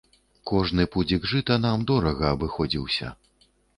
Кожны пудзік жыта нам дорага абыходзіўся.